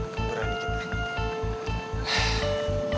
kamu berani kita